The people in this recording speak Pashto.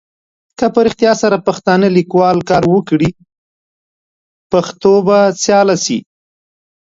که په رېښتیا سره پښتانه لیکوال کار وکړي پښتو به سیاله سي.